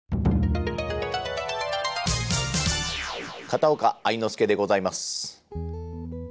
片岡愛之助でございます。